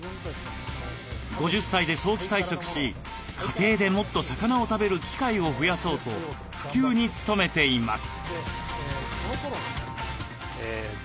５０歳で早期退職し家庭でもっと魚を食べる機会を増やそうと普及に努めています。